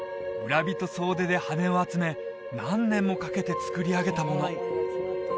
人総出で羽根を集め何年もかけて作り上げたもの